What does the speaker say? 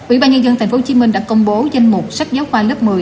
ủy ban nhân dân tp hcm đã công bố danh mục sách giáo khoa lớp một mươi